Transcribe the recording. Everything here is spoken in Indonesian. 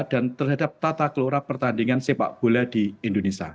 dan terhadap tata kelola pertandingan sepak bola di indonesia